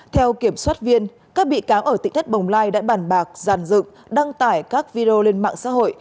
theo kiểm soát viên các bị cáo ở thị thất bồng lai đã bàn bạc giàn dựng đăng tải các video lên mạng xã hội